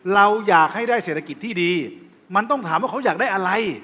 เราอยากให้ได้เศรษฐกิจที่ดีมันต้องถามว่าเขาอยากได้อะไร